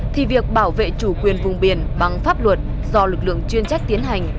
thì việc bảo vệ chủ quyền vùng biển bằng pháp luật do lực lượng chuyên trách tiến hành